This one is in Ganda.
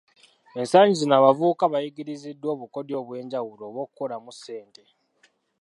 Ennaku zino abavubuka bayigiriziddwa obukodyo obwenjawulo obw'okukolamu ssente